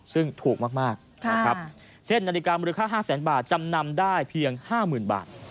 ซึ่งถูกมากมากครับเช่นนาฬิกามูลค่าห้าแสนบาทจำนำได้เพียงห้าหมื่นบาท